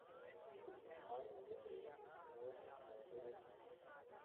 آج ملک میں بے شمار پارٹیاں